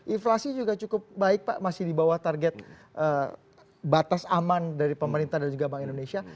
inflasi juga cukup baik pak masih di bawah target batas aman dari pemerintah dan juga bank indonesia